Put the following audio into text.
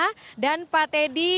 ibu yana dan pak teddy